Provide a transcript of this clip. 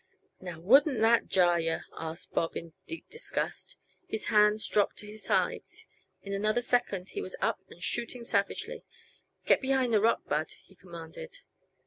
"Now, wouldn't that jar yuh?" asked Bob in deep disgust His hands dropped to his sides; in another second he was up and shooting savagely. "Get behind the rock, Bud," he commanded.